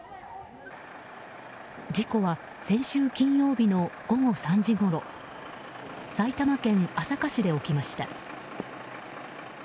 事故は先週金曜日の午後３時ごろ埼玉県朝霞市で起きました。